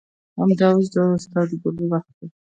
همدا اوس د استادګۍ وخت دى.